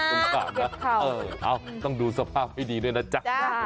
สงสารนะต้องดูสภาพให้ดีด้วยนะจ๊ะ